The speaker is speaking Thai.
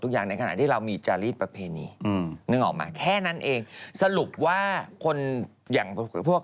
ถ้าคิดกันแบบนี้ต่อไปแก้ผ้าออกด้วย